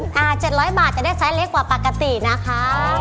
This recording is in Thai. ๗๐๐บาทจะได้ไซส์เล็กกว่าปกตินะคะ